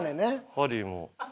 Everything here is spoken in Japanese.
ハリーも。